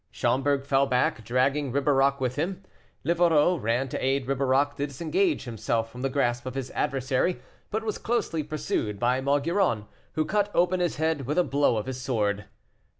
Schomberg fell back, dragging Ribeirac with him. Livarot ran to aid Ribeirac to disengage himself from the grasp of his adversary, but was closely pursued by Maugiron, who cut open his head with a blow of his sword.